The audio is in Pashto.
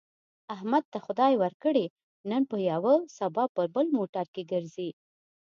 احمد ته خدای ورکړې، نن په یوه سبا په بل موټر کې ګرځي.